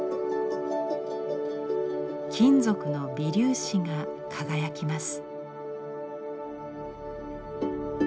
金属の微粒子が輝きます。